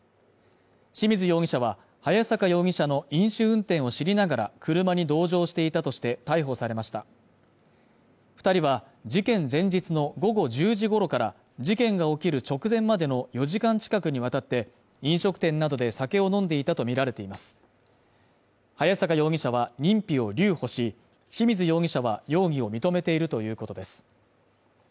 清水容疑者は早坂容疑者の飲酒運転を知りながら車に同乗していたとして逮捕されました二人は事件前日の午後１０時ごろから事件が起きる直前までの４時間近くにわたって飲食店などで酒を飲んでいたとみられています早坂容疑者は認否を留保し清水容疑者は容疑を認めているということです